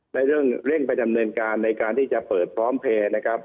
ในเรื่องเร่งไปดำเนินการในการที่จะเปิดพร้อมเพลย์นะครับ